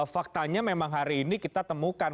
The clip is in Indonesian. faktanya memang hari ini kita temukan